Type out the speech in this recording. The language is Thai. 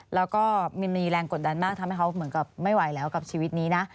แล้วก็มิมมีแรงกดดันมากทำให้เขาเหมือนกับไม่ไหวแล้วกับชีวิตนี้นะ